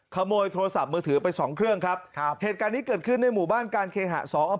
ขโมยโทรศัพท์มือถือไปสองเครื่องครับครับเหตุการณ์นี้เกิดขึ้นในหมู่บ้านการเคหะสองอำเภอ